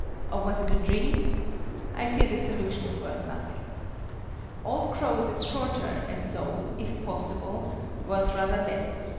Or was it a dream? I fear this solution is worth nothing. OLD CROW'S is shorter, and so (if possible) worth rather less.